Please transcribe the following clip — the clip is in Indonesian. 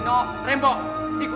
jangan lupa main di sini ya